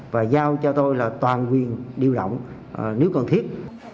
và giao cho tôi là toàn quyền điều động nếu cần thiết